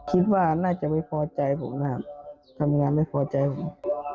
คิดว่าน่าจะไม่พอใจผมนะครับทำงานไม่พอใจผม